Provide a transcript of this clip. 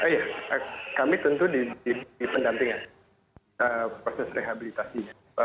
iya kami tentu diberi pendampingan proses rehabilitasi